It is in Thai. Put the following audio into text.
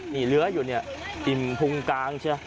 นี่เหลืออยู่เนี่ยอิ่มพุงกลางใช่ไหม